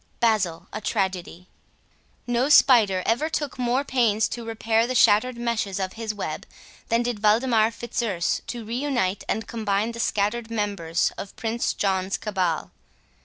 BASIL, A TRAGEDY No spider ever took more pains to repair the shattered meshes of his web, than did Waldemar Fitzurse to reunite and combine the scattered members of Prince John's cabal.